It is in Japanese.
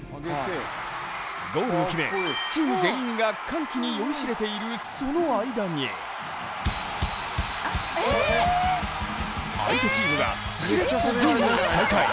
ゴールを決め、チーム全員が歓喜に酔いしれているその間に相手チームがしれっとゲームを再開。